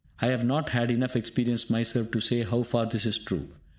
I have not had enough experience myself to say how far this is true.